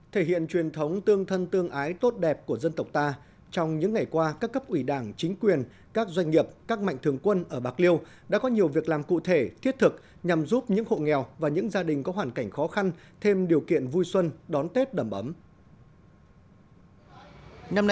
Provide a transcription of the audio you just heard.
thể hiện truyền thống tương thân tương ái tốt đẹp của dân tộc ta trong những ngày qua các cấp ủy đảng chính quyền các doanh nghiệp các mạnh thường quân ở bạc liêu đã có nhiều việc làm cụ thể thiết thực nhằm giúp những hộ nghèo và những gia đình có hoàn cảnh khó khăn thêm điều kiện vui xuân đón tết đầm ấm